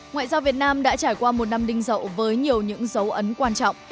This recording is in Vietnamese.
ngoại giao việt nam đã trải qua một năm đinh dậu với nhiều những dấu ấn quan trọng